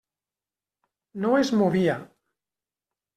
No es movia.